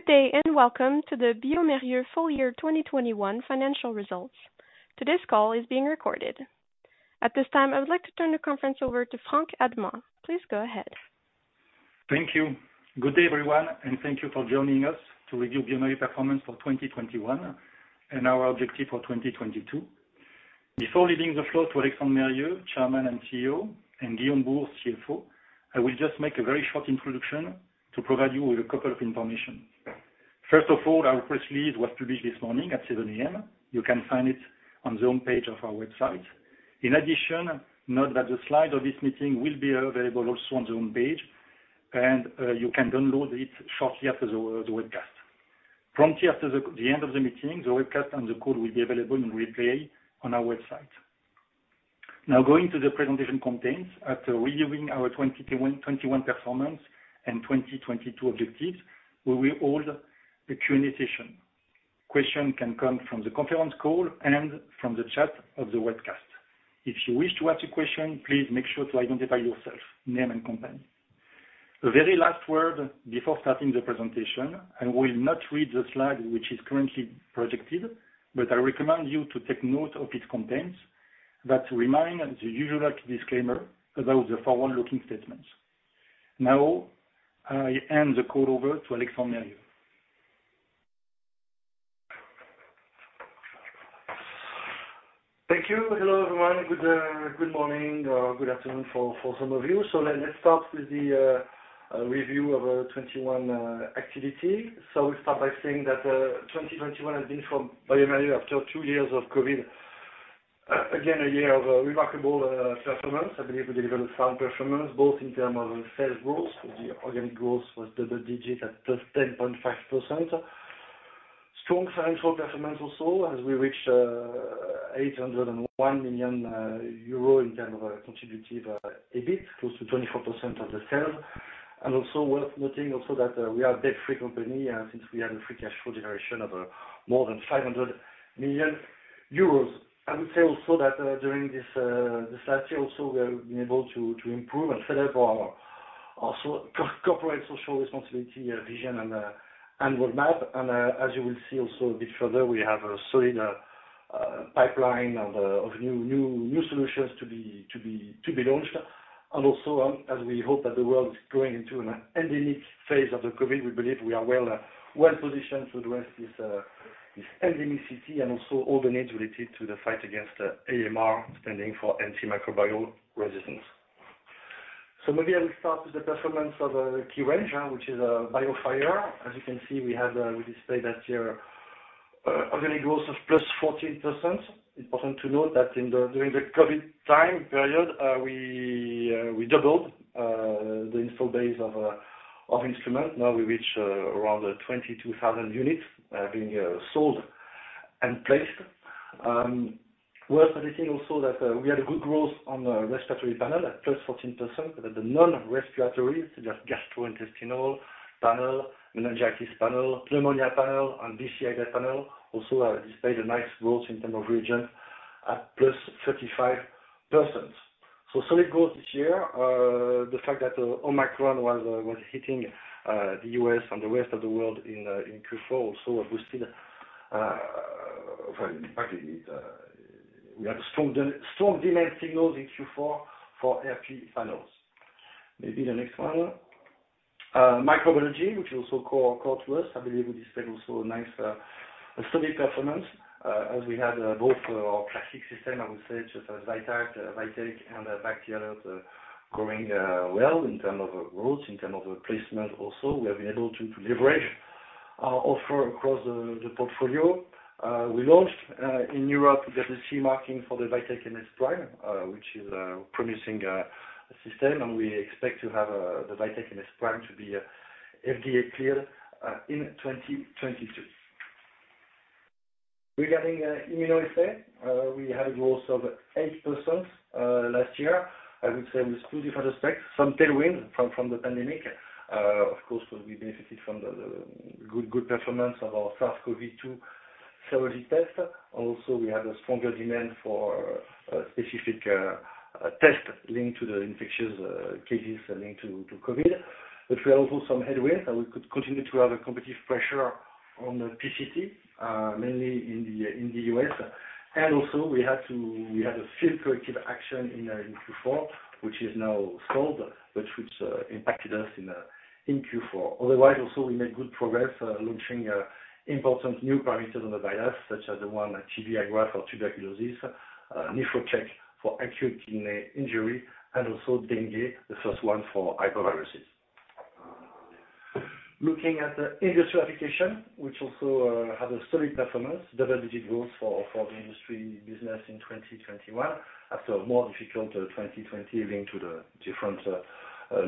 Good day and welcome to the bioMérieux full year 2021 financial results. Today's call is being recorded. At this time, I would like to turn the conference over to Franck Admant. Please go ahead. Thank you. Good day, everyone, and thank you for joining us to review bioMérieux performance for 2021 and our objective for 2022. Before leaving the floor to Alexandre Mérieux, Chairman and CEO, and Guillaume Bouhours, CFO, I will just make a very short introduction to provide you with a couple of information. First of all, our press release was published this morning at 7 A.M. You can find it on the home page of our website. In addition, note that the slide of this meeting will be available also on the home page, and you can download it shortly after the webcast. Shortly after the end of the meeting, the webcast and the call will be available in replay on our website. Now going to the presentation contents. After reviewing our 2021 performance and 2022 objectives, we will hold the Q&A session. Questions can come from the conference call and from the chat of the webcast. If you wish to ask a question, please make sure to identify yourself, your name and company. One very last word before starting the presentation, I will not read the slide which is currently projected, but I recommend you to take note of its contents that remind the usual disclaimer about the forward-looking statements. Now, I hand the call over to Alexandre Mérieux. Thank you. Hello, everyone. Good morning or good afternoon for some of you. Let's start with the review of 2021 activity. We start by saying that 2021 has been for bioMérieux, after two years of COVID, again, a year of remarkable performance. I believe we delivered a sound performance, both in terms of sales growth. The organic growth was double digit at +10.5%. Strong financial performance also, as we reach 801 million euro in terms of contributive EBIT, close to 24% of the sales. Also worth noting that we are a debt-free company, since we had a free cash flow generation of more than 500 million euros. I would say also that during this last year also, we have been able to improve and set up our also corporate social responsibility vision and roadmap. As you will see also a bit further, we have a solid pipeline of new solutions to be launched. As we hope that the world is going into an endemic phase of the COVID, we believe we are well positioned to address this endemicity and also all the needs related to the fight against AMR, standing for antimicrobial resistance. Maybe I will start with the performance of key range, which is BIOFIRE. As you can see, we displayed last year organic growth of +14%. Important to note that during the COVID time period, we doubled the install base of instrument. Now we reach around 22,000 units being sold and placed. Worth noting also that we had a good growth on the respiratory panel at +14%. The non-respiratory, such as gastrointestinal panel, meningitis panel, pneumonia panel, and BCID panel also displayed a nice growth in terms of reagents at +35%. Solid growth this year. The fact that Omicron was hitting the U.S. and the rest of the world in Q4 also boosted. Well, in fact, we had strong demand signals in Q4 for RP panels. Maybe the next one. Microbiology, which is also core to us. I believe we displayed also a nice, a solid performance, as we had both our plastic system, I would say, such as VITEK and BACT/ALERT, growing well in terms of growth, in terms of placement also. We have been able to leverage our offer across the portfolio. We launched in Europe, we got the CE marking for the VITEK MS PRIME, which is a promising system. We expect to have the VITEK MS PRIME to be FDA cleared in 2022. Regarding immunoassay, we had growth of 8% last year. I would say with two different aspects, some tailwind from the pandemic. Of course, we benefited from the good performance of our SARS-CoV-2 serology test. We have a stronger demand for specific test linked to the infectious cases linked to COVID. We have also some headwind, and we could continue to have a competitive pressure on the PCT mainly in the U.S. We had a field corrective action in Q4, which is now solved, but which impacted us in Q4. Otherwise, we made good progress launching important new parameters on the VIDAS, such as the TB-IGRA for tuberculosis, NEPHROCHECK for acute kidney injury, and also dengue, the first one for arboviruses. Looking at the industrial application, which had a solid performance, double-digit growth for the industry business in 2021 after a more difficult 2020 owing to the different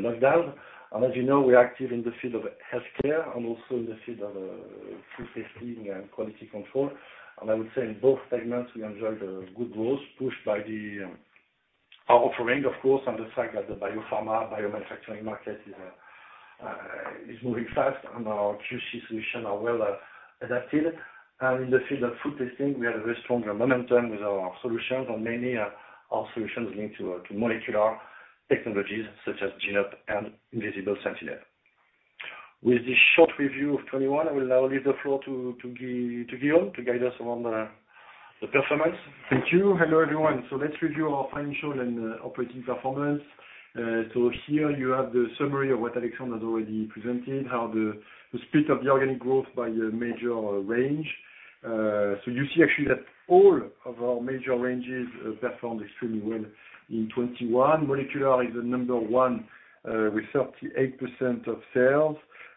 lockdown. As you know, we are active in the field of healthcare and also in the field of food testing and quality control. I would say in both segments, we enjoyed a good growth pushed by our offering, of course, and the fact that the biopharma biomanufacturing market is moving fast and our QC solution are well adapted. In the field of food testing, we had a very strong momentum with our solutions and mainly our solutions linked to molecular technologies such as GENE-UP and Invisible Sentinel. With this short review of 2021, I will now leave the floor to Guillaume to guide us around the performance. Thank you. Hello, everyone. Let's review our financial and operating performance. Here you have the summary of what Alexandre has already presented, how the split of the organic growth by the major range. You see actually that all of our major ranges performed extremely well in 2021. Molecular is the number one with 38% of sales.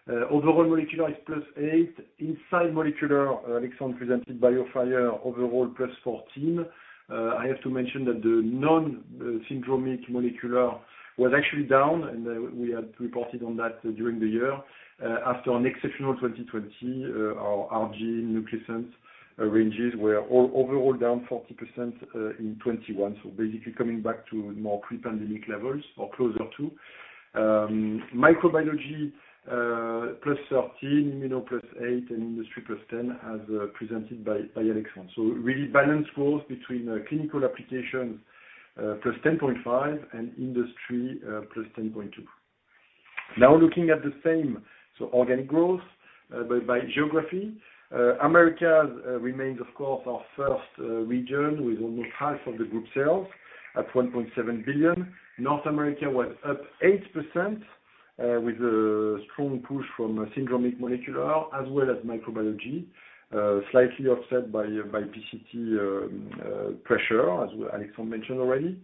Overall molecular is +8%. Inside molecular, Alexandre presented BIOFIRE overall +14%. I have to mention that the non-syndromic molecular was actually down, and we had reported on that during the year. After an exceptional 2020, our R-GENE NucliSENS ranges were overall down 40% in 2021. Basically coming back to more pre-pandemic levels or closer to. Microbiology +13%, immuno +8%, and industry +10% as presented by Alexandre. Really balanced growth between clinical applications +10.5% and industry +10.2%. Now looking at the same, organic growth by geography. America remains of course our first region with almost half of the group sales at 1.7 billion. North America was up 8%, with a strong push from syndromic molecular as well as microbiology, slightly offset by PCT pressure, as Alexandre mentioned already.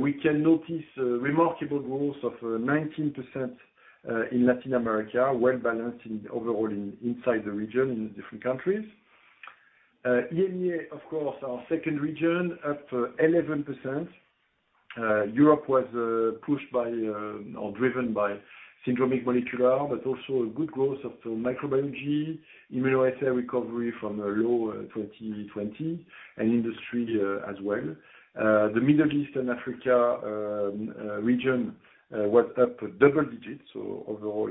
We can notice a remarkable growth of 19% in Latin America, well balanced overall inside the region in different countries. EMEA, of course, our second region, up 11%. Europe was pushed by or driven by syndromic molecular, but also a good growth of microbiology, immunoassay recovery from a low 2020 and industry, as well. The Middle East and Africa region was up double digits, so overall,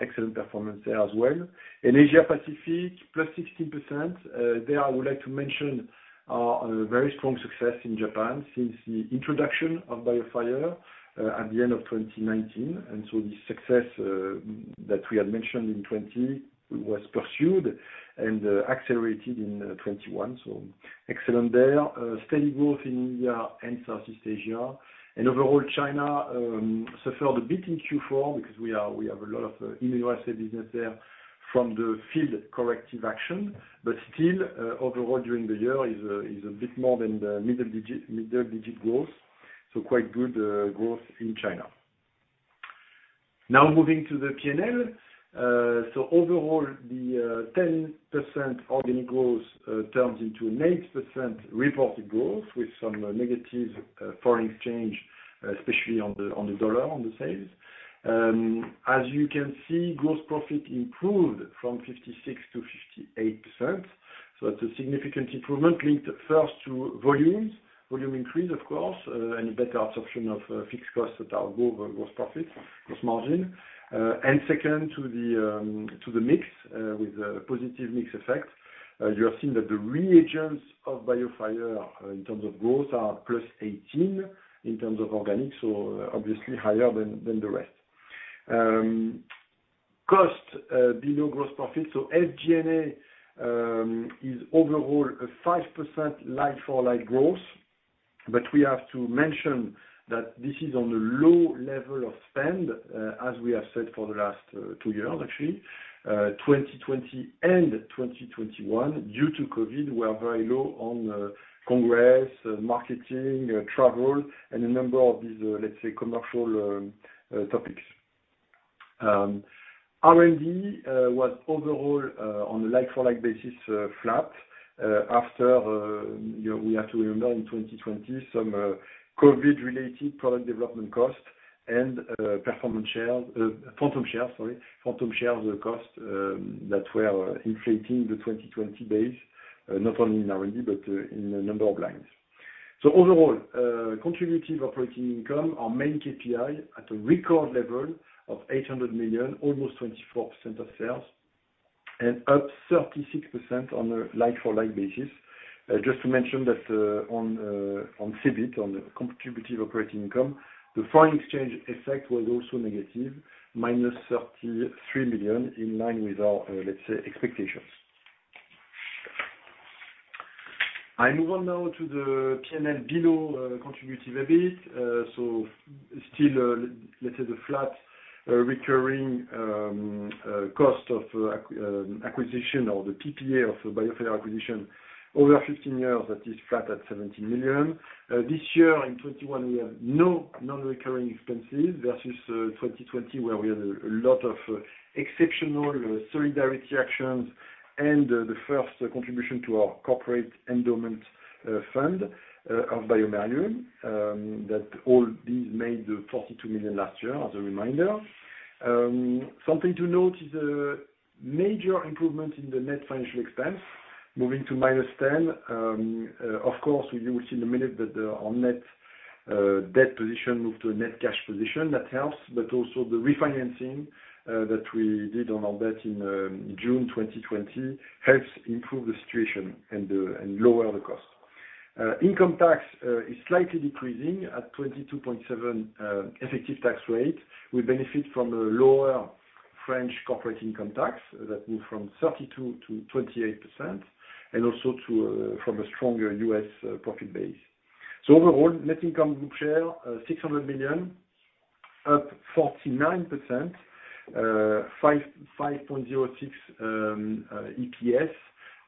excellent performance there as well. In Asia Pacific, +16%. There I would like to mention our very strong success in Japan since the introduction of BIOFIRE at the end of 2019. The success that we had mentioned in 2020 was pursued and accelerated in 2021, so excellent there. Steady growth in India and Southeast Asia. Overall China suffered a bit in Q4 because we have a lot of immunoassay business there from the field corrective action. Still, overall during the year is a bit more than the mid-single-digit growth. Quite good growth in China. Now moving to the P&L. Overall the 10% organic growth turns into an 8% reported growth with some negative foreign exchange, especially on the dollar, on the sales. As you can see, gross profit improved from 56% to 58%. That's a significant improvement linked first to volumes increase of course, and better absorption of fixed costs that go over gross profit, gross margin. And second to the mix, with a positive mix effect. You have seen that the reagents of BIOFIRE in terms of growth are +18% in terms of organic, so obviously higher than the rest. Costs below gross profit. SG&A is overall a 5% like-for-like growth. We have to mention that this is on a low level of spend, as we have said for the last 2 years actually. 2020 and 2021, due to COVID, we are very low on congresses, marketing, travel, and a number of these, let's say commercial topics. R&D was overall on a like-for-like basis flat, after, you know, we have to remember in 2020 some COVID-related product development costs and performance shares, Phantom Shares costs, that were inflating the 2020 base, not only in R&D but in a number of lines. Overall, contributive operating income, our main KPI at a record level of 800 million, almost 24% of sales, and up 36% on a like-for-like basis. Just to mention that, on EBIT, on contributive operating income, the foreign exchange effect was also negative, -33 million in line with our, let's say expectations. I move on now to the P&L below, contributive EBIT. Still, let's say the flat recurring cost of acquisition or the PPA of the BIOFIRE acquisition over 15 years, that is flat at 17 million. This year in 2021, we have no non-recurring expenses versus, 2020, where we had a lot of, exceptional, solidarity actions and, the first contribution to our corporate endowment, fund, of bioMérieux. That all these made the 42 million last year as a reminder. Something to note is a major improvement in the net financial expense, moving to -10. Of course, we will see in a minute that our net debt position moved to a net cash position. That helps. Also the refinancing that we did on our debt in June 2020 helps improve the situation and lower the cost. Income tax is slightly decreasing at 22.7% effective tax rate. We benefit from a lower French corporate income tax that moved from 32% to 28%, and also from a stronger U.S. profit base. Overall, net income group share 600 million, up 49%, 5.06 EPS.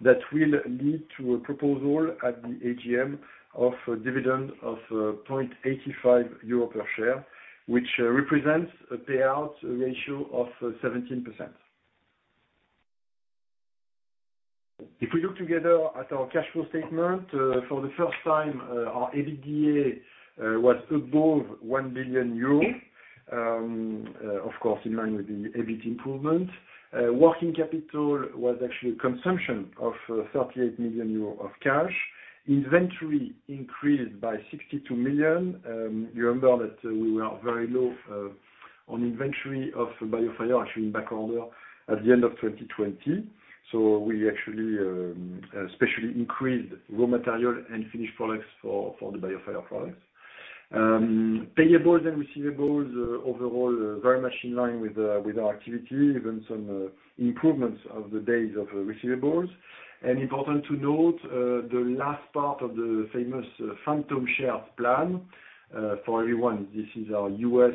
That will lead to a proposal at the AGM of a dividend of 0.85 euro per share, which represents a payout ratio of 17%. If we look together at our cash flow statement, for the first time, our EBITDA was above 1 billion euros. Of course, in line with the EBIT improvement. Working capital was actually a consumption of 38 million euros of cash. Inventory increased by 62 million. You remember that we were very low on inventory of BioFire, actually in backorder at the end of 2020. We actually especially increased raw material and finished products for the BioFire products. Payables and receivables, overall, very much in line with our activity, even some improvements of the days of receivables. Important to note, the last part of the famous Phantom Shares plan for everyone. This is our U.S.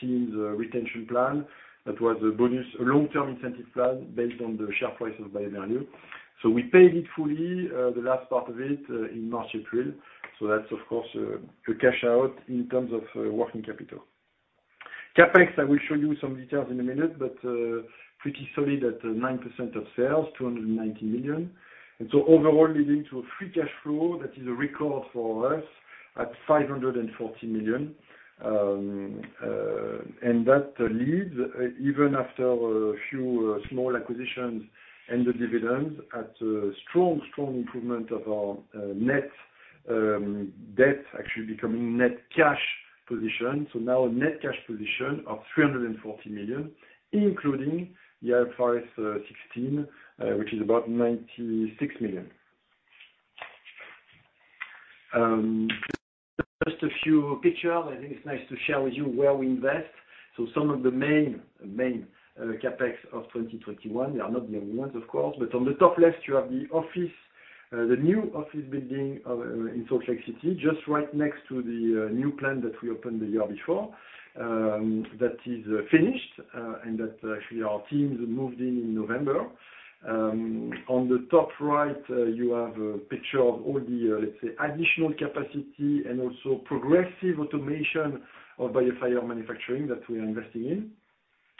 team's retention plan. That was a bonus, long-term incentive plan based on the share price of bioMérieux. We paid it fully, the last part of it, in March, April. That's of course, a cash out in terms of working capital. CapEx, I will show you some details in a minute, but pretty solid at 9% of sales, 290 million. Overall leading to a free cash flow that is a record for us at 540 million. That leads, even after a few small acquisitions and the dividends, to a strong improvement of our net debt, actually becoming net cash position. Now a net cash position of 340 million, including IFRS 16, which is about 96 million. Just a few pictures. I think it's nice to share with you where we invest. Some of the main CapEx of 2021. They are not the only ones, of course, but on the top left, you have the office, the new office building, in Salt Lake City, just right next to the new plant that we opened the year before. That is finished, and that actually our teams moved in in November. On the top right, you have a picture of all the, let's say, additional capacity and also progressive automation of BioFire manufacturing that we are investing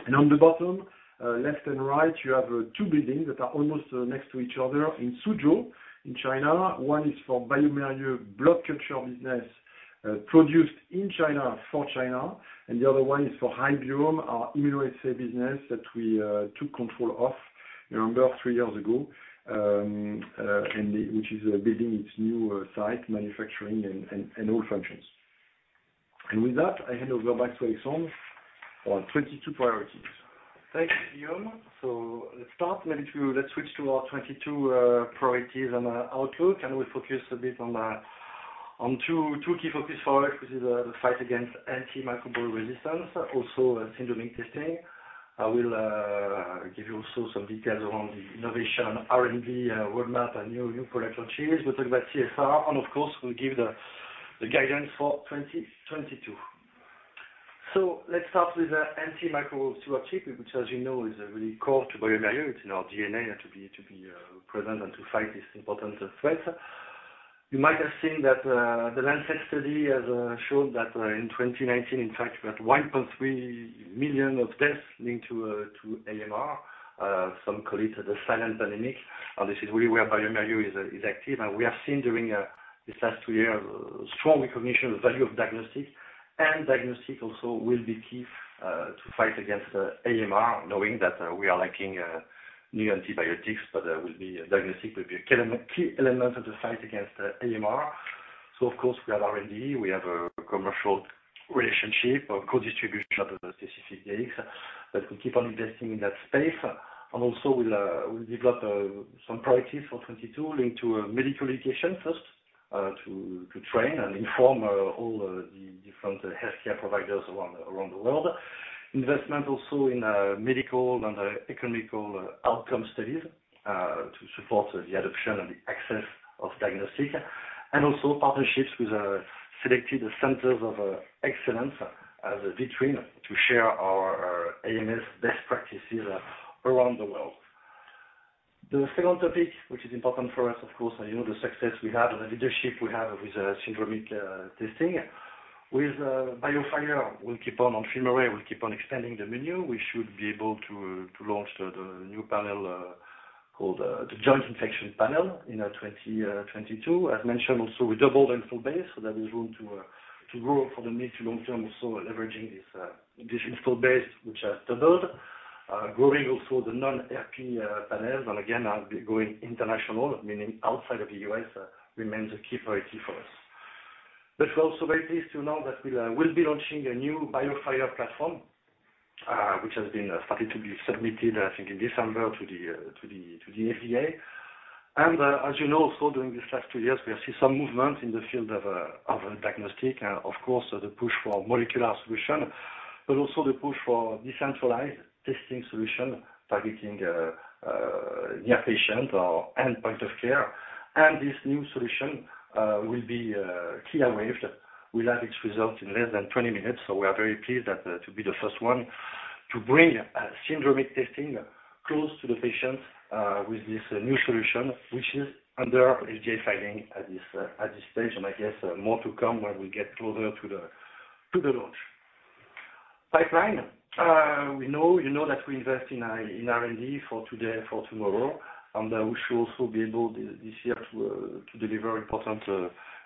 in. On the bottom, left and right, you have two buildings that are almost next to each other in Suzhou in China. One is for bioMérieux blood culture business, produced in China for China, and the other one is for Hybiome, our immunodiagnostic business that we took control of, remember, three years ago, which is building its new site, manufacturing and all functions. With that, I hand over back to Alexandre on 2022 priorities. Thanks, Guillaume. Let's start. Let's switch to our 2022 priorities and outlook, and we'll focus a bit on two key focus for us, which is the fight against anti-microbial resistance, also syndromic testing. I will give you also some details around the innovation R&D roadmap and new product opportunities. We'll talk about CSR, and of course, we'll give the guidance for 2022. Let's start with the anti-microbial stewardship, which as you know is really core to bioMérieux. It's in our DNA to be present and to fight this important threat. You might have seen that The Lancet study has showed that in 2019, in fact, we had 1.3 million of deaths linked to AMR. Some call it the silent pandemic. This is really where bioMérieux is active. We have seen during this last two years a strong recognition of value of diagnostic. Diagnostic also will be key to fight against AMR, knowing that we are lacking new antibiotics, but a diagnostic will be a key element of the fight against AMR. Of course, we have R&D. We have a commercial relationship or co-distribution of Specific Diagnostics that we keep on investing in that space. We will develop some priorities for 2022 linked to medical education first to train and inform all the different healthcare providers around the world. Investment also in medical and economic outcome studies to support the adoption and the access of diagnostic. Also partnerships with selected centers of excellence as a means to share our AMS best practices around the world. The second topic, which is important for us, of course, you know the success we have and the leadership we have with syndromic testing. With BioFire, we'll keep on FILMARRAY, we'll keep on expanding the menu. We should be able to launch the new panel called the Joint Infection Panel in 2022. As mentioned, we also doubled installed base, so there is room to grow for the mid to long term. Also leveraging this installed base, which has doubled. Growing also the non-RP panels. Again, going international, meaning outside of the U.S., remains a key priority for us. We're also very pleased to know that we will be launching a new BioFire platform, which has been starting to be submitted, I think in December to the FDA. As you know, so during these last two years, we have seen some movement in the field of diagnostics. Of course, the push for molecular solutions, but also the push for decentralized testing solutions targeting near patient or point of care. This new solution will be CLIA waived, will have its results in less than 20 minutes. We are very pleased to be the first one to bring syndromic testing close to the patients with this new solution, which is under FDA filing at this stage. I guess more to come when we get closer to the launch pipeline. We know, you know that we invest in R&D for today, for tomorrow. We should also be able this year to deliver important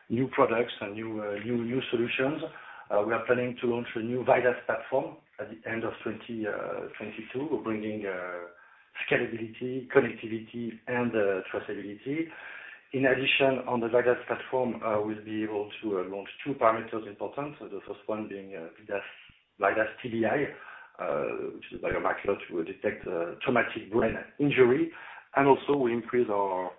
new products and new solutions. We are planning to launch a new VIDAS platform at the end of 2022. We're bringing scalability, connectivity and traceability. In addition on the VIDAS platform, we'll be able to launch two important parameters. The first one being VIDAS TBI, which is a biomarker to detect traumatic brain injury. Also we increase our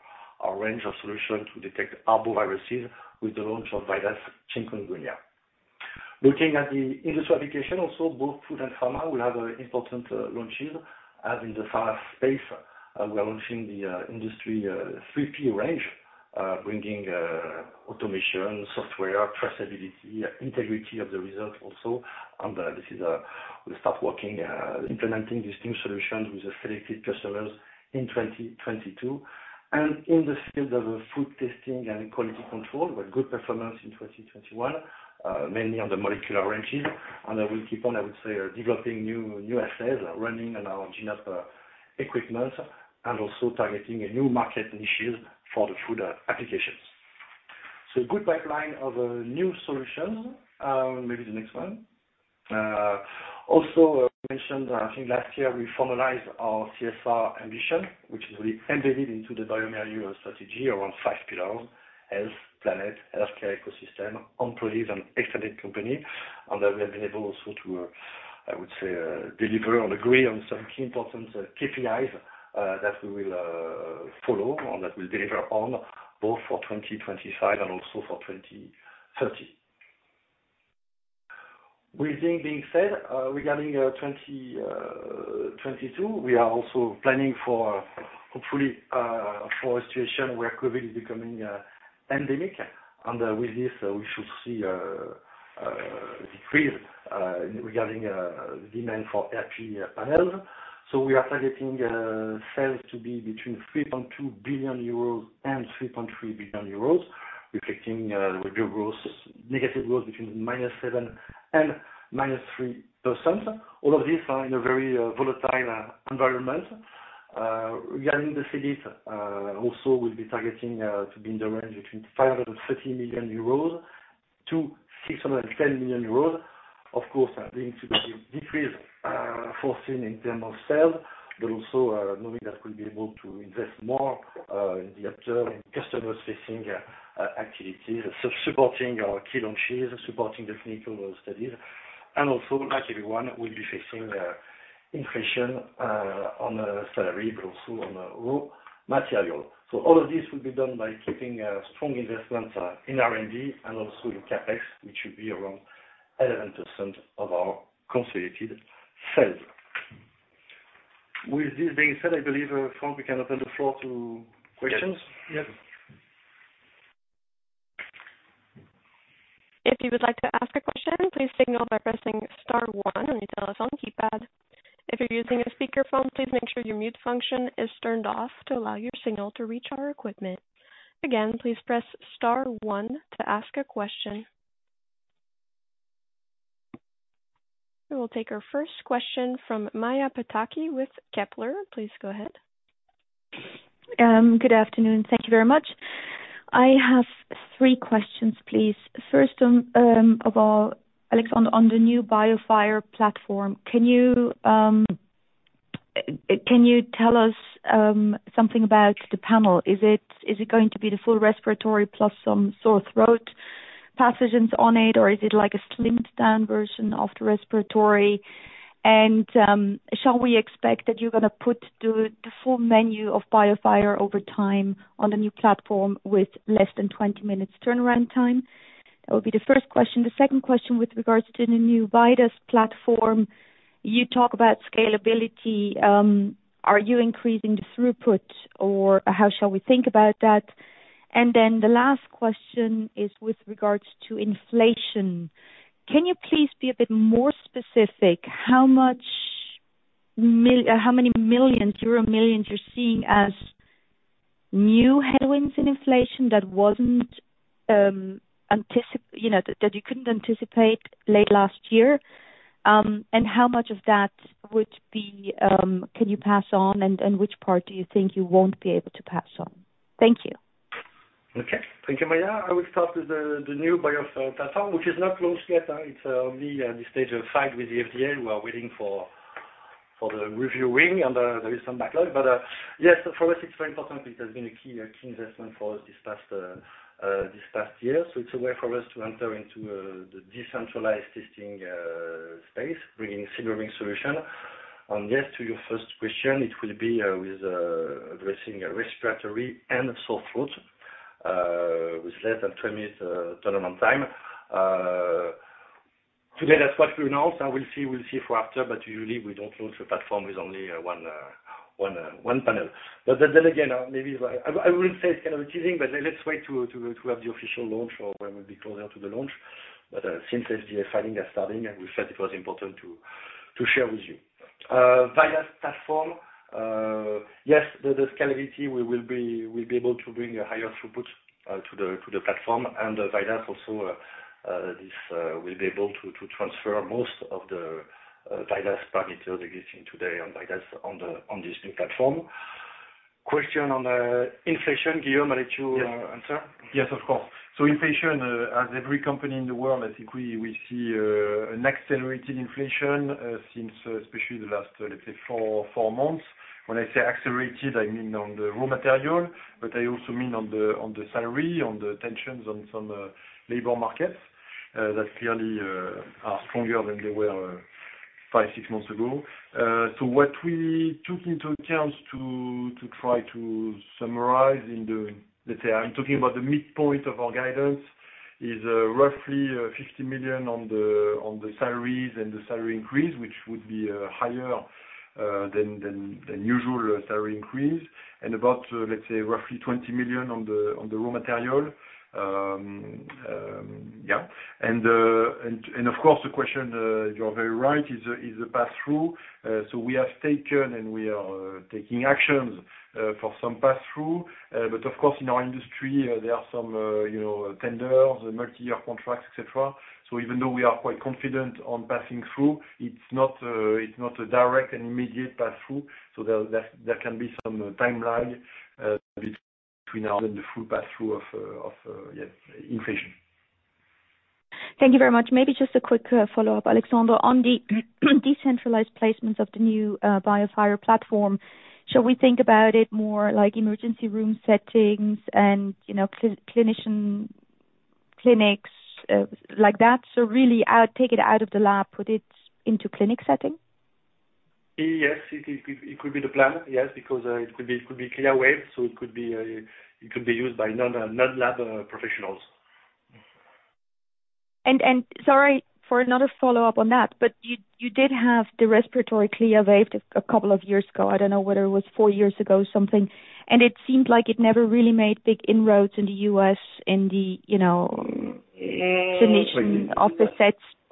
range of solutions to detect arboviruses with the launch of VIDAS Chikungunya. Looking at the industry application, also both food and pharma, we have important launches. In the pharma space, we are launching the industry 3P range, bringing automation, software, traceability, integrity of the result also. We start working implementing these new solutions with the selected customers in 2022. In the field of food testing and quality control, we have good performance in 2021, mainly on the molecular ranges. We keep on, I would say, developing new assays, running on our GENE-UP equipment and also targeting new market niches for the food applications. Good pipeline of new solutions. Maybe the next one. Also mentioned, I think last year we formalized our CSR ambition, which is really embedded into the bioMérieux strategy around five pillars, health, planet, healthcare ecosystem, employees and extended company. We have been able also to, I would say, deliver and agree on some key important KPIs that we will follow and that we'll deliver on both for 2025 and also for 2030. With that being said, regarding 2022, we are also planning for hopefully for a situation where COVID is becoming endemic. With this we should see a decrease regarding demand for RP panels. We are targeting sales to be between 3.2 billion euros and 3.3 billion euros, reflecting revenue growth, negative growth between -7% and -3%. All of these are in a very volatile environment. Regarding the EBIT, also we'll be targeting to be in the range between 530 million euros to 610 million euros. Of course, that leads to the decrease foreseen in terms of sales, but also knowing that we'll be able to invest more in the future in customer-facing activities, so supporting our key launches, supporting the clinical studies, and also like everyone, we'll be facing inflation on salary but also on raw material. All of this will be done by keeping strong investments in R&D and also in CapEx, which should be around 11% of our consolidated sales. With this being said, I believe, Franck, we can open the floor to questions. Yes. If you would like to ask a question, please signal by pressing star one on your telephone keypad. If you're using a speaker phone, please make sure your mute function is turned off to allow your signal to reach our equipment. Again, please press star one to ask a question. We will take our first question from Maja Pataki with Kepler Cheuvreux. Please go ahead. Good afternoon. Thank you very much. I have three questions, please. First of all, Alex, on the new BioFire platform, can you tell us something about the panel? Is it going to be the full respiratory plus some sore throat pathogens on it, or is it like a slimmed-down version of the respiratory? And shall we expect that you're gonna put the full menu of BioFire over time on a new platform with less than 20 minutes turnaround time? That would be the first question. The second question with regards to the new VIDAS platform. You talk about scalability. Are you increasing the throughput or how shall we think about that? And then the last question is with regards to inflation. Can you please be a bit more specific? How many euro millions you're seeing as new headwinds in inflation that wasn't you know that you couldn't anticipate late last year? How much of that would be can you pass on, and which part do you think you won't be able to pass on? Thank you. Okay. Thank you, Maja. I will start with the new BioFire platform, which is not launched yet. It's only at this stage of filing with the FDA. We are waiting for the review and there is some backlog. Yes, for us it's very important. It has been a key investment for us this past year. It's a way for us to enter into the decentralized testing space, bringing similar solution. Yes, to your first question, it will be addressing a respiratory and sore throat with less than 20 minutes turnaround time. Today, that's what we announced, and we'll see for after, but usually we don't launch a platform with only one panel. I wouldn't say it's kind of teasing, but let's wait to have the official launch or when we'll be closer to the launch. Since FDA filings are starting and we felt it was important to share with you. Various platforms, yes, the scalability we'll be able to bring a higher throughput to the platform. VIDAS also, this will be able to transfer most of the VIDAS parameters existing today on VIDAS on this new platform. Question on inflation, Guillaume, I'll let you answer. Yes. Yes, of course. Inflation, as every company in the world, I think we see an accelerated inflation since especially the last, let's say, four months. When I say accelerated, I mean on the raw material, but I also mean on the salary, on the tensions on some labor markets that clearly are stronger than they were five, six months ago. What we took into account, to try to summarize, let's say I'm talking about the midpoint of our guidance, is roughly 50 million on the salaries and the salary increase, which would be higher than usual salary increase. About, let's say roughly 20 million on the raw material. Of course, the question you are very right is the pass-through. So we have taken and we are taking actions for some pass-through. But of course in our industry, there are some you know, tenders and multi-year contracts, et cetera. So even though we are quite confident on passing through, it's not a direct and immediate pass-through. So there can be some timeline between now and the full pass-through of inflation. Thank you very much. Maybe just a quick follow-up, Alexandre, on the decentralized placements of the new BioFire platform. Shall we think about it more like emergency room settings and, you know, clinician clinics, like that? Really take it out of the lab, put it into clinic setting. Yes, it could be the plan. Yes, because it could be CLIA waived, so it could be used by non-lab professionals. Sorry for another follow-up on that. You did have the respiratory CLIA waived a couple of years ago. I don't know whether it was four years ago or something. It seemed like it never really made big inroads in the U.S. in the, you know, clinician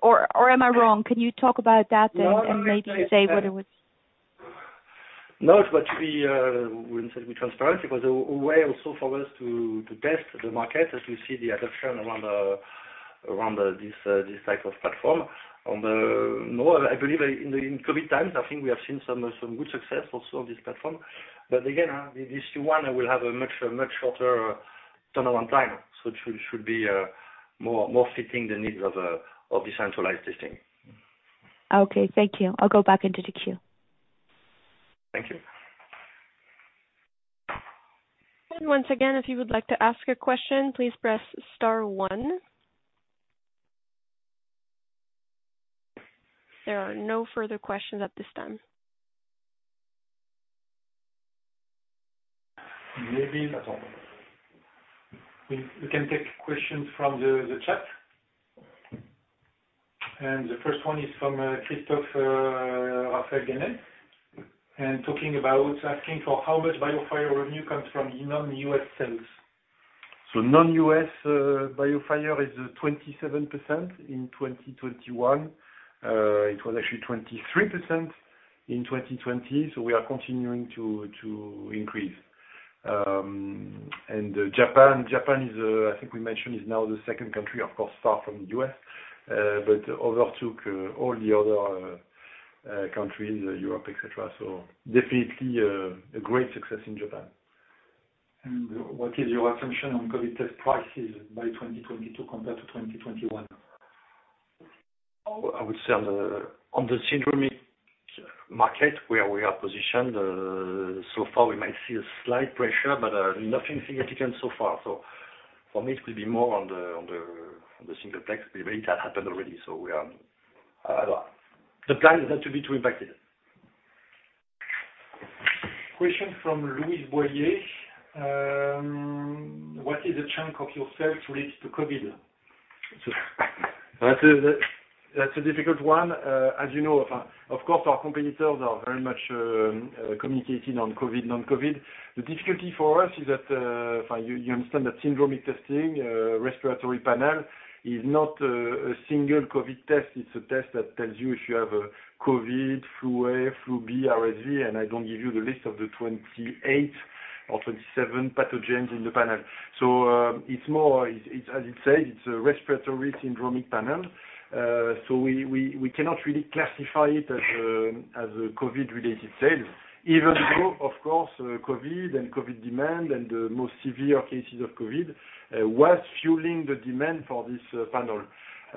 offices. Am I wrong? Can you talk about that and maybe say what it was? No, we said we're transparent. It was a way also for us to test the market as we see the adoption around this type of platform. I believe in COVID times, I think we have seen some good success also on this platform. Again, this new one will have a much shorter turnaround time. It should be more fitting the needs of decentralized testing. Okay, thank you. I'll go back into the queue. Thank you. And once again, if you would like to ask a question, please press star one. There are no further questions at this time. Maybe that's all. We can take questions from the chat. The first one is from Christophe-Raphael Ganet. Talking about asking for how much BioFire revenue comes from non-U.S. sales. Non-U.S. BioFire is 27% in 2021. It was actually 23% in 2020. We are continuing to increase. Japan is, I think we mentioned, now the second country, of course, far from the U.S., but overtook all the other countries, Europe, et cetera. Definitely a great success in Japan. What is your assumption on COVID test prices by 2022 compared to 2021? I would say on the syndromic market where we are positioned, so far we might see a slight pressure, but nothing significant so far. For me, it will be more on the single plex. It had happened already. The plan is not to be too impacted. Question from Louise Boyer. What is the chunk of your sales related to COVID? That's a difficult one. As you know, of course, our competitors are very much communicating on COVID, non-COVID. The difficulty for us is that you understand that syndromic testing, respiratory panel is not a single COVID test. It's a test that tells you if you have a COVID, flu A, flu B, RSV, and I don't give you the list of the 28 or 27 pathogens in the panel. It's more, as it says, it's a respiratory syndromic panel. We cannot really classify it as a COVID-related sale, even though of course, COVID and COVID demand and the most severe cases of COVID was fueling the demand for this panel.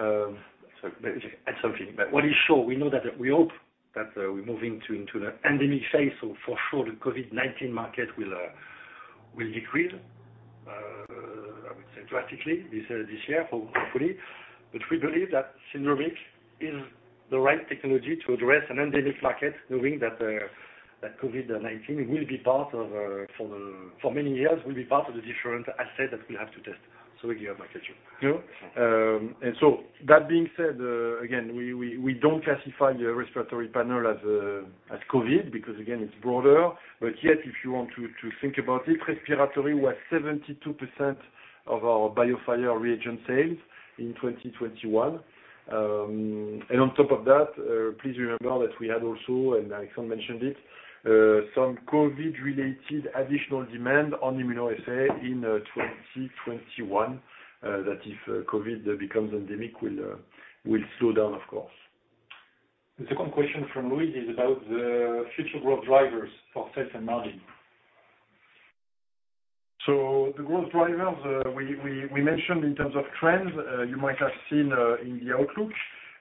That's something. What is sure, we hope that we're moving into the endemic phase. For sure, the COVID-19 market will decrease, I would say drastically this year, hopefully. We believe that syndromic is the right technology to address an endemic bracket, knowing that COVID-19 will be part of for many years will be part of the different assets that we have to test. We have my question. You know? That being said, again, we don't classify the respiratory panel as COVID because again, it's broader. Yet, if you want to think about it, respiratory was 72% of our BioFire reagent sales in 2021. On top of that, please remember that we had also, and Alexandre mentioned it, some COVID-related additional demand on immunoassay in 2021, that if COVID becomes endemic will slow down, of course. The second question from Louise is about the future growth drivers for sales and margin. The growth drivers we mentioned in terms of trends you might have seen in the outlook.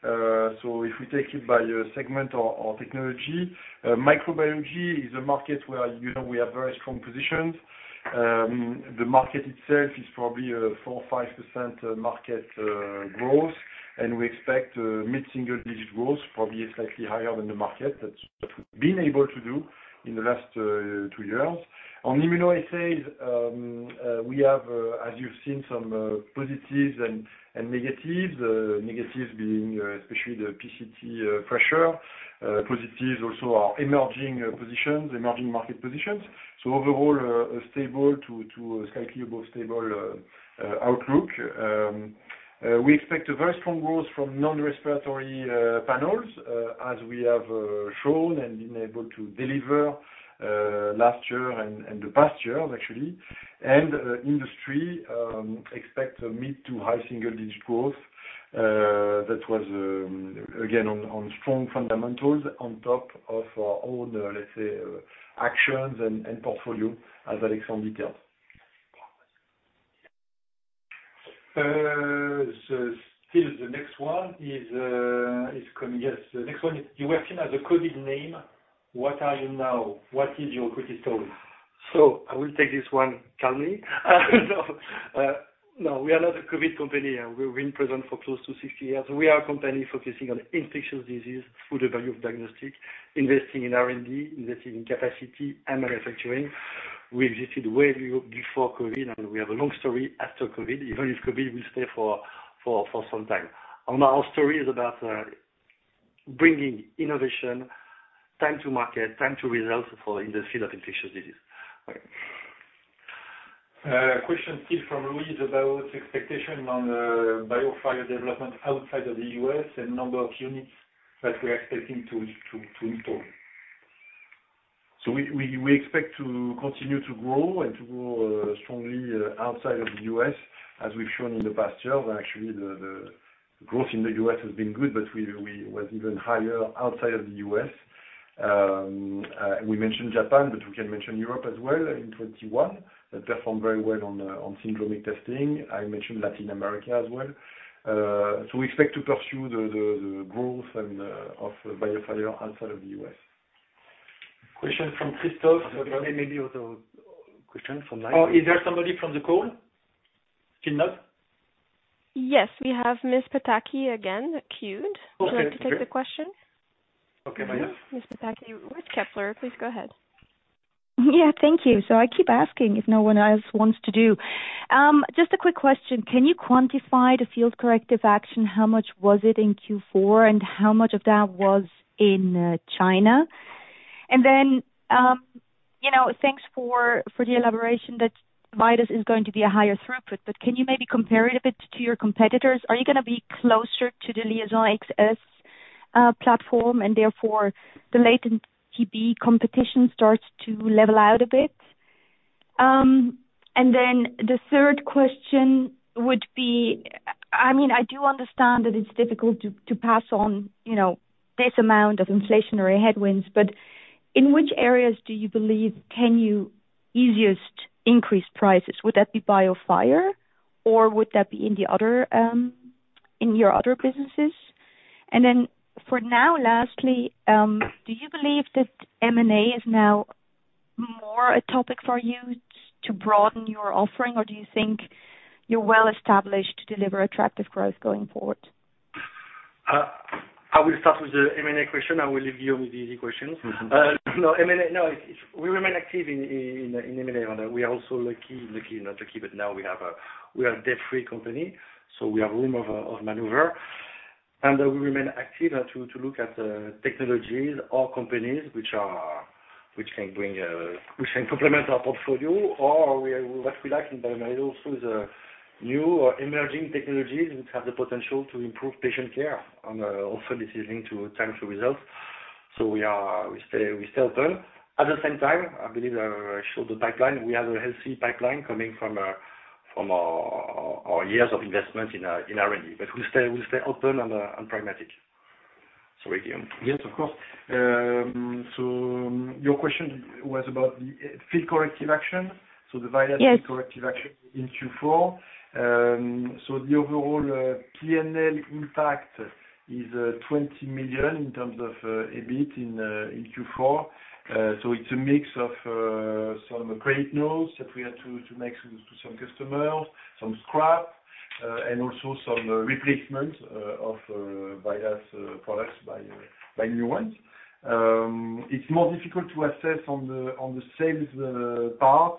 If we take it by segment or technology, microbiology is a market where, you know, we have very strong positions. The market itself is probably 4%-5% market growth. We expect mid-single digit growth, probably slightly higher than the market. That's what we've been able to do in the last two years. On immunoassays, we have, as you've seen, some positives and negatives. Negatives being especially the PCT pressure. Positives also are emerging positions, emerging market positions. Overall, stable to slightly above stable outlook. We expect a very strong growth from non-respiratory panels, as we have shown and been able to deliver last year and the past years actually. Industry expect mid to high single digit growth. That was again on strong fundamentals on top of our own, let's say, actions and portfolio as Alexandre Mérieux detailed. Still the next one is coming. Yes. The next one is, you were seen as a COVID name. What are you now? What is your COVID story? I will take this one calmly. No, no, we are not a COVID company. We've been present for close to 60 years. We are a company focusing on infectious disease through the value of diagnostics, investing in R&D, investing in capacity and manufacturing. We existed way before COVID, and we have a long story after COVID, even if COVID will stay for some time. Our story is about bringing innovation, time to market, time to results in the field of infectious disease. Question still from Louise Boyer about expectations on BioFire development outside of the U.S. and number of units that we are expecting to install. We expect to continue to grow strongly outside of the U.S., as we've shown in the past year. Actually, the growth in the U.S. has been good, but we was even higher outside of the U.S. We mentioned Japan, but we can mention Europe as well in 2021. They performed very well on syndromic testing. I mentioned Latin America as well. We expect to pursue the growth and of BioFire outside of the U.S. Question from Christophe. Maybe also question from Mike. Is there somebody from the call? Still not? Yes, we have Ms. Pataki again queued. Okay. Would you like to take the question? Okay. Ms. Pataki, with Kepler. Please go ahead. Yeah, thank you. I keep asking if no one else wants to do. Just a quick question. Can you quantify the field corrective action? How much was it in Q4 and how much of that was in China? You know, thanks for the elaboration that VIDAS is going to be a higher throughput, but can you maybe compare it a bit to your competitors? Are you gonna be closer to the LIAISON XS platform, and therefore the latent TB competition starts to level out a bit? The third question would be, I mean, I do understand that it's difficult to pass on this amount of inflationary headwinds, but in which areas do you believe can you easiest increase prices? Would that be BioFire or would that be in the other, in your other businesses? For now, lastly, do you believe that M&A is now more a topic for you to broaden your offering, or do you think you're well established to deliver attractive growth going forward? I will start with the M&A question. I will leave you with the easy questions. We remain active in M&A. We are also lucky, but now we are a debt-free company, so we have room of maneuver. We remain active to look at technologies or companies which can bring which can complement our portfolio or what we like in bioMérieux M&A also is new emerging technologies which have the potential to improve patient care and also decision to time to results. We stay open. At the same time, I believe I showed the pipeline. We have a healthy pipeline coming from our years of investment in R&D. We stay open and pragmatic. Sorry, Guillaume. Yes, of course. Your question was about the field corrective action. The Viral- Yes. Field corrective action in Q4. The overall P&L impact is 20 million in terms of EBIT in Q4. It's a mix of some credit notes that we had to make to some customers, some scrap. Also some replacement of VIDAS products by new ones. It's more difficult to assess on the sales part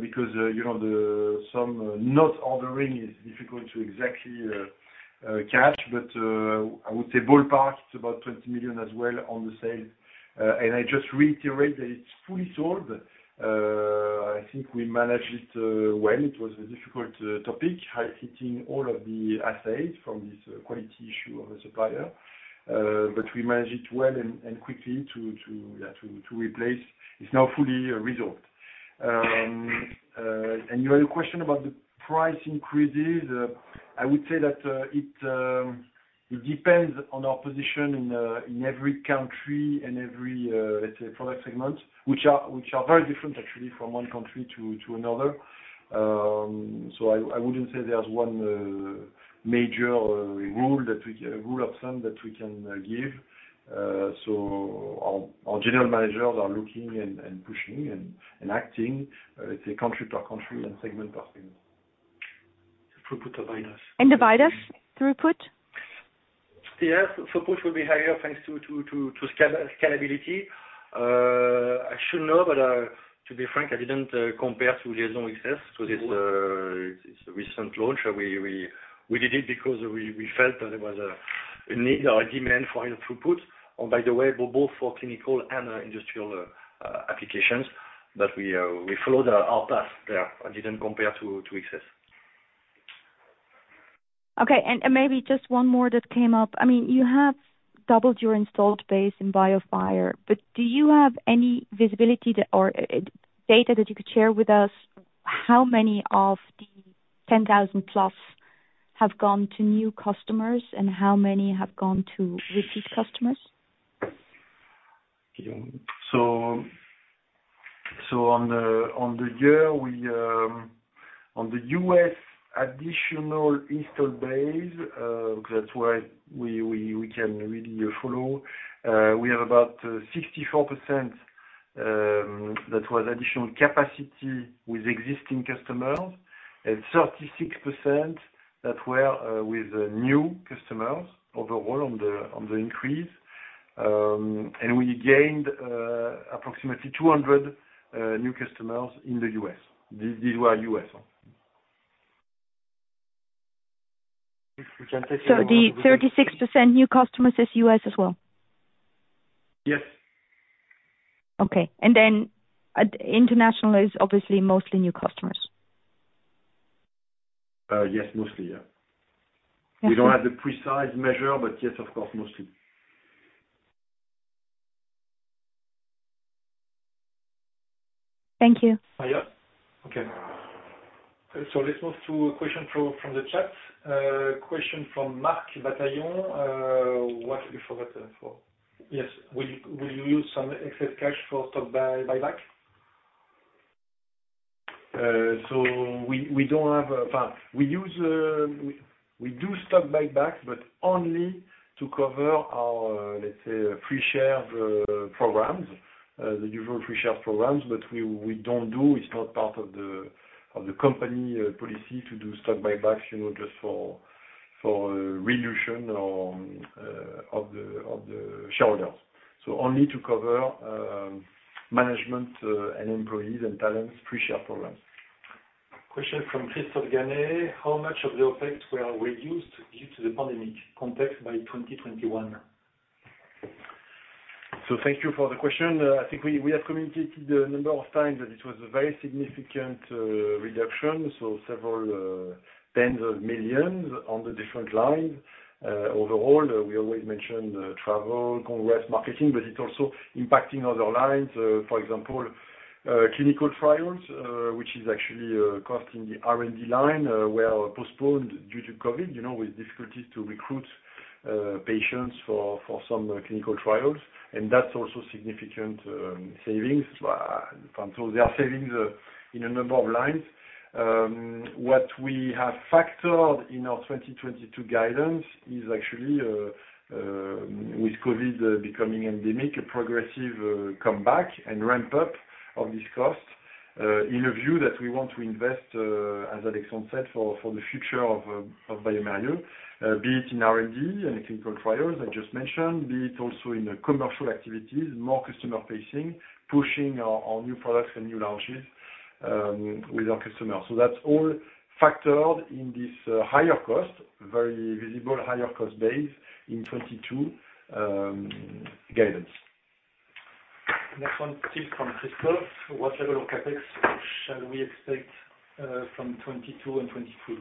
because you know, some not ordering is difficult to exactly catch, but I would say ballpark it's about 20 million as well on the sales. I just reiterate that it's fully solved. I think we managed it well. It was a difficult topic hitting all of the assays from this quality issue of a supplier, but we managed it well and quickly to replace. It's now fully resolved. Your other question about the price increases, I would say that it depends on our position in every country and every, let's say, product segment, which are very different actually from one country to another. I wouldn't say there's one rule of thumb that we can give. Our general managers are looking and pushing and acting, let's say, country per country and segment per segment. Throughput of VIDAS. The VIDAS throughput? Yes. Throughput will be higher thanks to scalability. I should know, but to be frank, I didn't compare to the Access to this recent launch. We did it because we felt that there was a need or a demand for higher throughput, and by the way, both for clinical and industrial applications. We followed our path there. I didn't compare to Access. Okay. Maybe just one more that came up. I mean, you have doubled your installed base in BioFire, but do you have any visibility or data that you could share with us, how many of the 10,000+ have gone to new customers and how many have gone to repeat customers? On the U.S. additional installed base, that's why we can really follow. We have about 64% that was additional capacity with existing customers and 36% that were with new customers overall on the increase. We gained approximately 200 new customers in the U.S. These were U.S. We can take- The 36% new customers is U.S. as well? Yes. Okay. International is obviously mostly new customers. Yes, mostly, yeah. Thank you. We don't have the precise measure, but yes, of course, mostly. Thank you. Yeah. Okay. Let's move to a question from the chat. Question from Mark Massaro. Will you use some excess cash for stock buyback? We do stock buyback but only to cover our, let's say, free share programs, the usual free share programs. But it's not part of the company policy to do stock buybacks, you know, just for reduction of the shareholders. Only to cover management and employees and talents free share programs. Question from Christophe-Raphael Ganet. How much of the OpEx were reduced due to the pandemic context by 2021? Thank you for the question. I think we have communicated a number of times that it was a very significant reduction, several tens of millions EUR on the different lines. Overall, we always mention travel, congress, marketing, but it's also impacting other lines. For example, clinical trials, which is actually cost in the R&D line, were postponed due to COVID, you know, with difficulties to recruit patients for some clinical trials. That's also significant savings. There are savings in a number of lines. What we have factored in our 2022 guidance is actually, with COVID becoming endemic, a progressive, comeback and ramp up of this cost, in a view that we want to invest, as Alexandre said, for the future of bioMérieux, be it in R&D and clinical trials I just mentioned, be it also in the commercial activities, more customer facing, pushing our new products and new launches, with our customers. That's all factored in this, higher cost, very visible higher cost base in 2022, guidance. Next one, still from Christophe. What level of CapEx shall we expect from 2022 and 2023?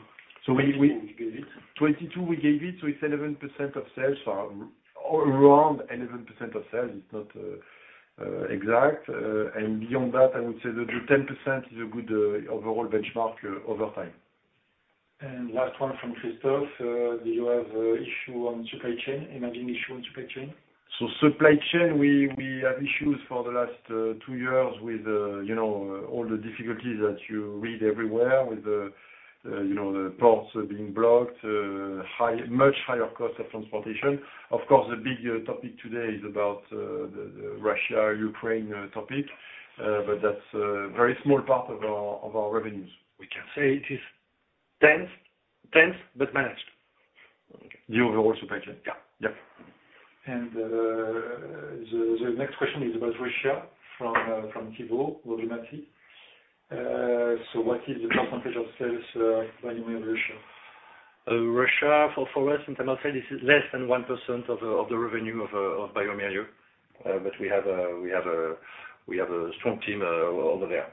So we- 2022 we gave it. 2022 we gave it, so it's 11% of sales or around 11% of sales. It's not exact. Beyond that, I would say that the 10% is a good overall benchmark over time. Last one from Christophe. Do you have issue on supply chain? Supply chain, we have issues for the last two years with, you know, all the difficulties that you read everywhere with the, you know, the ports being blocked, much higher cost of transportation. Of course, the big topic today is about the Russia-Ukraine topic. But that's a very small part of our revenues. We can say it is tense but managed. The overall supply chain. Yeah. Yep. The next question is about Russia from Thibault, Oddo BHF. So what is the percentage of sales by Russia? Russia for us, internal sales is less than 1% of the revenue of bioMérieux. But we have a strong team over there.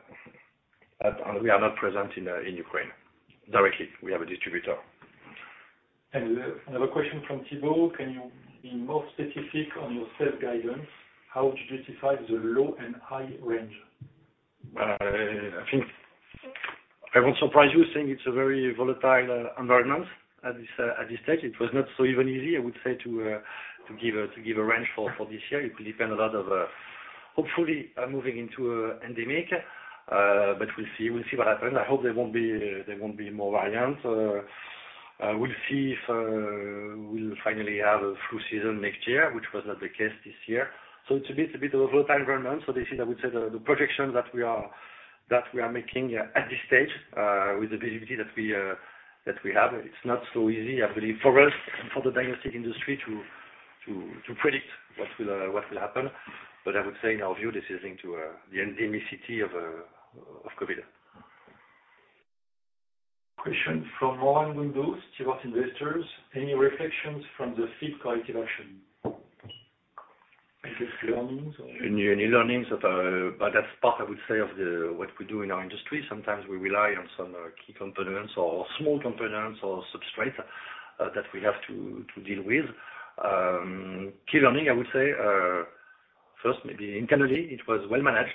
We are not present in Ukraine directly. We have a distributor. Another question from Thibault: Can you be more specific on your sales guidance? How would you justify the low and high range? I think I won't surprise you saying it's a very volatile environment at this stage. It was not even so easy, I would say, to give a range for this year. It will depend a lot of hopefully moving into endemic. We'll see. We'll see what happens. I hope there won't be more variants. We'll see if we'll finally have a flu season next year, which was not the case this year. It's a bit of a volatile environment. This is, I would say, the projection that we are making at this stage with the visibility that we have. It's not so easy, I believe, for us and for the diagnostic industry to predict what will happen. I would say in our view, this is into the endemicity of COVID. Question from Laurent Windhaus, Jefferies. Any reflections from the field corrective action? Any learnings. That's part, I would say, of what we do in our industry. Sometimes we rely on some key components or small components or substrates that we have to deal with. Key learning, I would say, first, maybe internally, it was well managed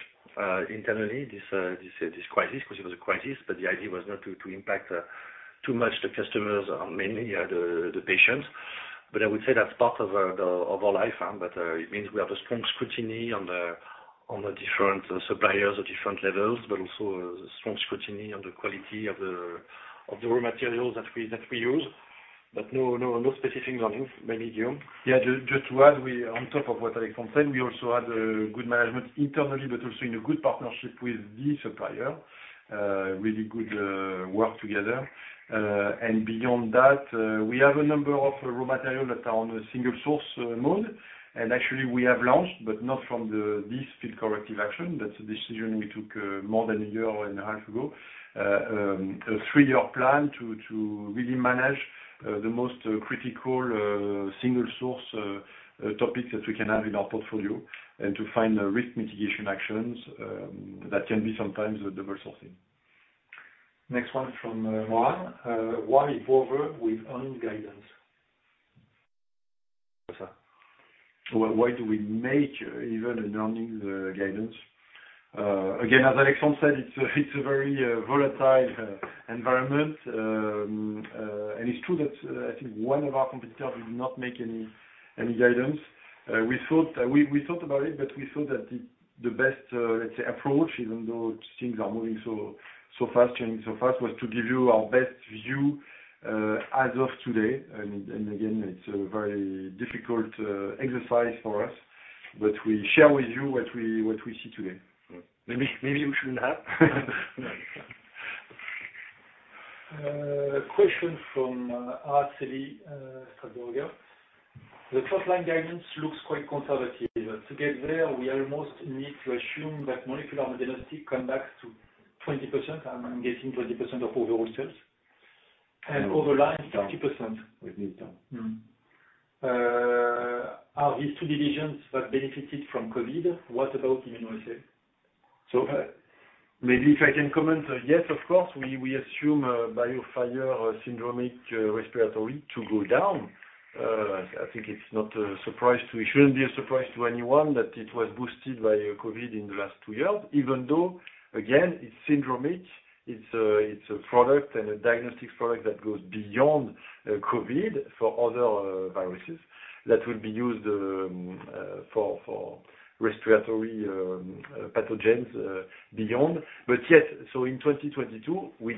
internally, this crisis, because it was a crisis, but the idea was not to impact too much the customers or mainly the patients. I would say that's part of our life. It means we have a strong scrutiny on the different suppliers at different levels, but also a strong scrutiny on the quality of the raw materials that we use. No specific learnings. Maybe Guillaume. Yeah. Just to add, on top of what Alexandre said, we also had good management internally, but also in a good partnership with the supplier. Really good work together. Beyond that, we have a number of raw material that are on a single source mode. Actually, we have launched this field corrective action. That's a decision we took more than a year and a half ago. A three-year plan to really manage the most critical single source topics that we can have in our portfolio and to find risk mitigation actions that can be sometimes with diverse sourcing. Next one from Juan. Why involve with earnings guidance? Why do we make even an earnings guidance? Again, as Alexandre said, it's a very volatile environment. It's true that I think one of our competitors did not make any guidance. We thought about it, but we thought that the best let's say approach, even though things are moving so fast, changing so fast, was to give you our best view as of today. Again, it's a very difficult exercise for us, but we share with you what we see today. Maybe we shouldn't have. Question from Arsely Strassburger. The top line guidance looks quite conservative. To get there, we almost need to assume that molecular diagnostics come back to 20%. I'm guessing 20% of overall sales. Other line, 60%. It needs time. Are these two divisions that benefited from COVID? What about immunoassay? Maybe if I can comment. Yes, of course, we assume BioFire syndromic respiratory to go down. I think it's not a surprise. It shouldn't be a surprise to anyone that it was boosted by COVID in the last two years, even though, again, it's syndromic. It's a product and a diagnostic product that goes beyond COVID for other viruses that will be used for respiratory pathogens beyond. In 2022, we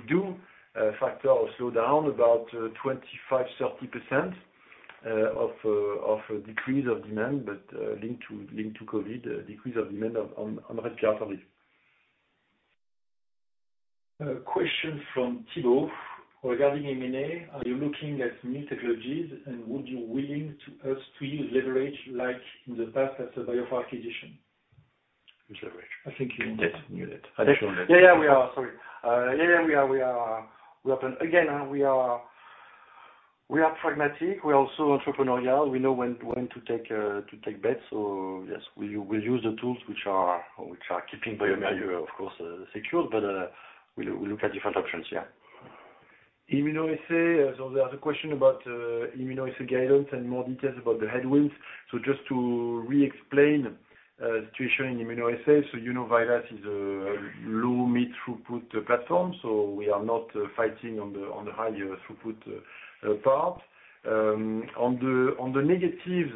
factor a slowdown about 25%-30% of a decrease of demand, but linked to COVID, a decrease of demand on respiratory. A question from Thibault.Regarding M&A, are you looking at new technologies, and would you be willing to use leverage like in the past as a BioFire acquisition? Which leverage? I think you meant it. Meant it. I'm not sure. Yeah, we are. Sorry. Yeah, we are. We are pragmatic. We are also entrepreneurial. We know when to take bets. So yes, we will use the tools which are keeping bioMérieux, of course, secure. But we will look at different options. Yeah. Immunoassay. So there's a question about immunoassay guidance and more details about the headwinds. So just to re-explain the situation in immunoassay, so VIDAS is a low mid-throughput platform. So we are not fighting on the higher throughput part. On the negatives,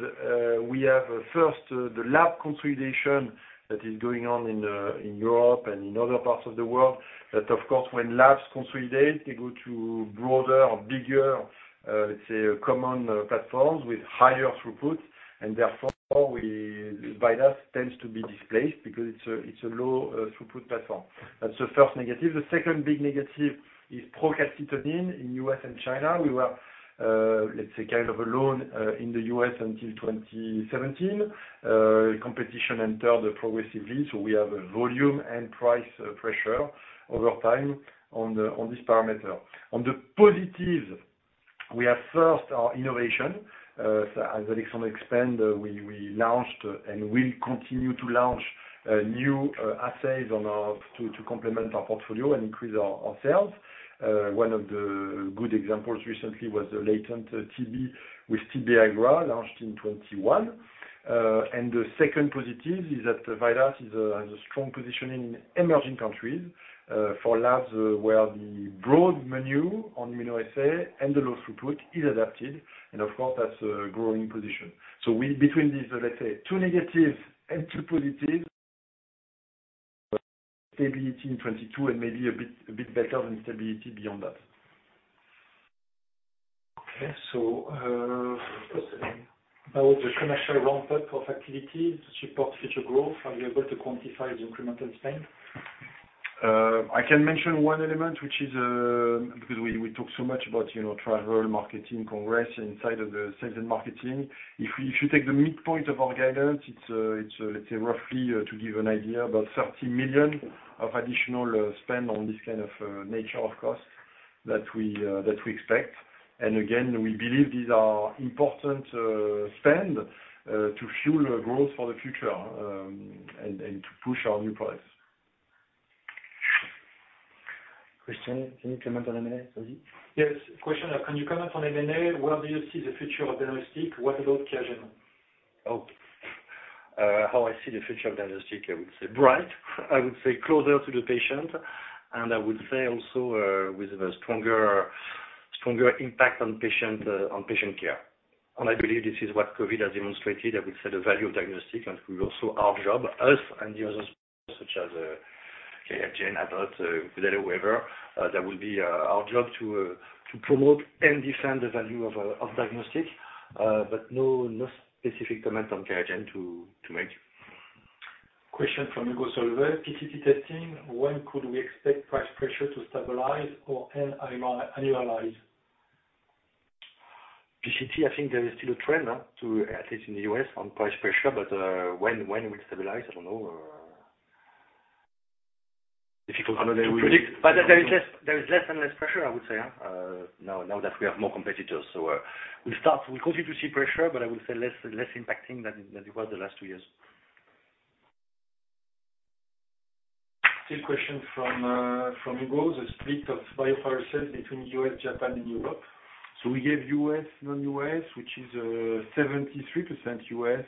we have first the lab consolidation. That is going on in Europe and in other parts of the world. That of course, when labs consolidate, they go to broader or bigger, let's say common platforms with higher throughput, and therefore VIDAS tends to be displaced because it's a low throughput platform. That's the first negative. The second big negative is procalcitonin in U.S. and China. We were, let's say, kind of alone in the U.S. until 2017. Competition entered progressively, so we have a volume and price pressure over time on this parameter. On the positive, we have first our innovation. As Alexandre explained, we launched and will continue to launch new assays to complement our portfolio and increase our sales. One of the good examples recently was the latent TB with TB-IGRA launched in 2021. The second positive is that VIDAS has a strong position in emerging countries for labs where the broad menu on immunoassay and the low throughput is adapted, and of course that's a growing position. Between these, let's say two negatives and two positives, stability in 2022 and maybe a bit better than stability beyond that. Okay. First, about the commercial ramp-up of activity to support future growth, are you able to quantify the incremental spend? I can mention one element, which is, because we talk so much about, you know, travel, marketing, congress inside of the sales and marketing. If you take the midpoint of our guidance, it's, let's say, roughly, to give an idea, about 30 million of additional spend on this kind of nature of costs that we expect. Again, we believe these are important spend to fuel growth for the future, and to push our new products. Question, can you comment on M&A? Where do you see the future of diagnostics? What about Caregen? How I see the future of diagnostics, I would say bright. I would say closer to the patient, and I would say also with a stronger impact on patient care. I believe this is what COVID has demonstrated. I would say the value of diagnostics, and we also our job, us and the others such as Caregen, Abbott, whatever, that will be our job to promote and defend the value of diagnostics. But no specific comment on Caregen to make. Question from Hugo Solvet. PCT testing, when could we expect price pressure to stabilize or annualize? PCT, I think there is still a trend to, at least in the U.S., on price pressure, but when it will stabilize, I don't know. Difficult to predict. There is less and less pressure, I would say, now that we have more competitors. We'll continue to see pressure, but I would say less impacting than it was the last two years. Still a question from Hugo. The split of BioFire sales between U.S., Japan, and Europe. We gave U.S., non-U.S., which is 73% U.S.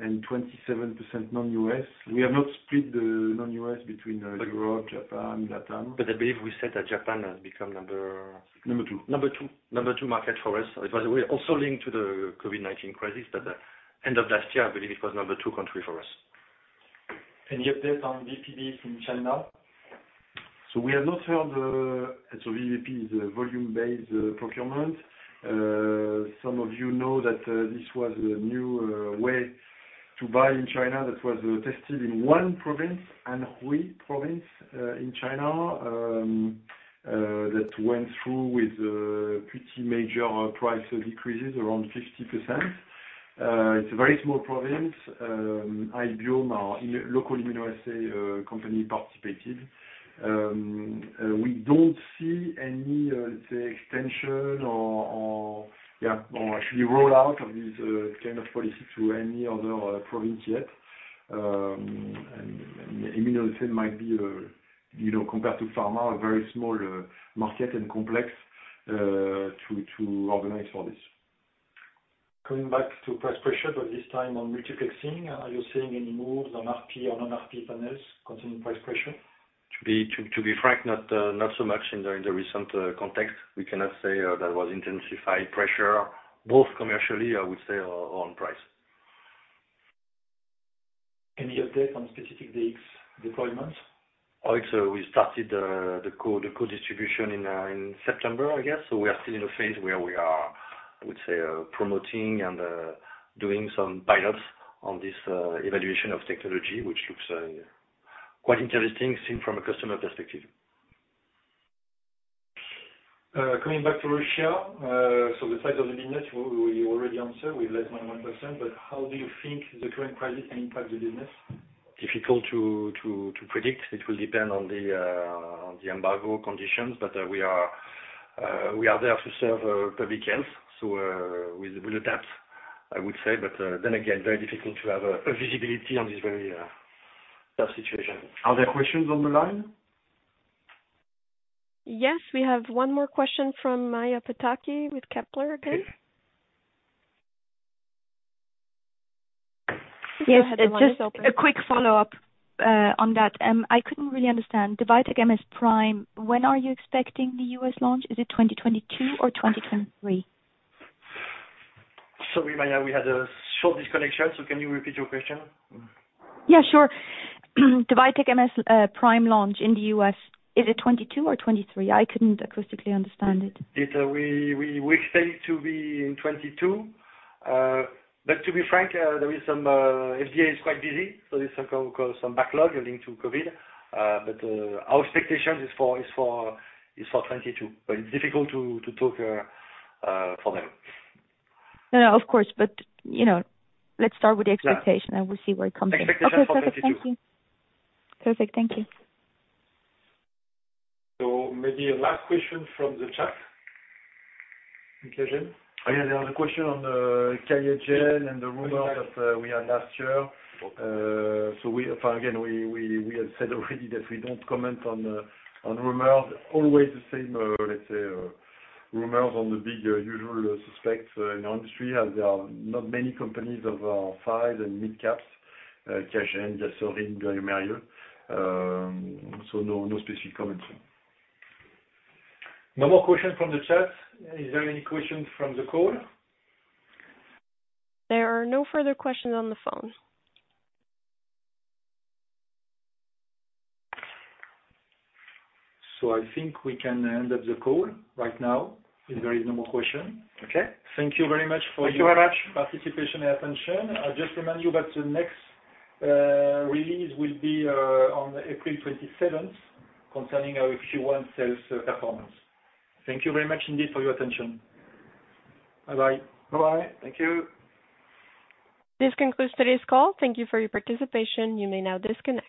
and 27% non-U.S. We have not split the non-U.S. between Europe, Japan, Latin. I believe we said that Japan has become number- Number two. Number two. Number two market for us. By the way, also linked to the COVID-19 crisis at the end of last year, I believe it was number two country for us. Any update on VBP in China? VBP is volume-based procurement. Some of you know that this was a new way to buy in China that was tested in one province, Anhui Province, in China, that went through with pretty major price decreases, around 50%. It's a very small province. Hybiome, our local immunoassay company, participated. We don't see any, let's say, extension or yeah or actually rollout of this kind of policy to any other province yet. Immunoassay might be a, you know, compared to pharma, a very small market and complex to organize all this. Coming back to price pressure, but this time on multiplexing. Are you seeing any moves on RP or non-RP panels containing price pressure? To be frank, not so much in the recent context. We cannot say there was intensified pressure, both commercially, I would say, or on price. Any update on Specific Diagnostics deployments? Also, we started the co-distribution in September, I guess. We are still in a phase where we are, I would say, promoting and doing some pilots on this evaluation of technology, which looks quite interesting, seen from a customer perspective. Coming back to Russia. The size of the business, you already answered with less than 1%, but how do you think the current crisis can impact the business? Difficult to predict. It will depend on the embargo conditions. We are there to serve public health, so we will adapt, I would say. Then again, very difficult to have a visibility on this very tough situation. Are there questions on the line? Yes, we have one more question from Maja Pataki with Kepler. Okay. Okay. Yes, just a quick follow-up on that. I couldn't really understand. The VITEK MS PRIME, when are you expecting the U.S. launch? Is it 2022 or 2023? Sorry, Maja, we had a short disconnection, so can you repeat your question? Yeah, sure. The VITEK MS PRIME launch in the U.S., is it 2022 or 2023? I couldn't acoustically understand it. We expect it to be in 2022. To be frank, the FDA is quite busy, so there's of course some backlog relating to COVID. Our expectations is for 2022. It's difficult to talk for them. No, no, of course, but, you know, let's start with the expectation. Yeah. We'll see where it comes in. Expectation for 2022. Okay, perfect. Thank you. Perfect. Thank you. Maybe a last question from the chat. Nicolas Jean? Yeah. There was a question on the M&A and the rumor that we had last year. Again, we have said already that we don't comment on rumors. Always the same, let's say, rumors on the big usual suspects in our industry, as there are not many companies of five- and mid-cap, Cash N, Grifols, bioMérieux. No specific comment. No more questions from the chat. Is there any questions from the call? There are no further questions on the phone. I think we can wrap up the call right now if there is no more question. Okay. Thank you very much for your. Thank you very much. Thank you for your participation and attention. I just want to remind you that the next release will be on April 27th concerning our Q1 sales performance. Thank you very much indeed for your attention. Bye-bye. Bye-bye. Thank you. This concludes today's call. Thank you for your participation. You may now disconnect.